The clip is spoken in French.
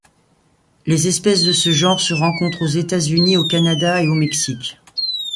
Les espèces de ce genre se rencontrent aux États-Unis, au Canada et au Mexique.